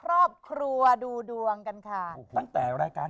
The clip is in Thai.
โหลดแล้วคุณราคาโหลดแล้วยัง